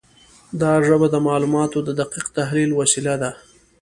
دا ژبه د معلوماتو د دقیق تحلیل وسیله ده.